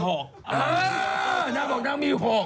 เออน่าบอกน่าวมี๖